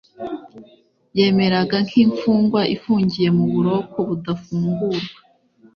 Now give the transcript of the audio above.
yameraga nk’imfungwa ifungiye mu buroko budafungurwa.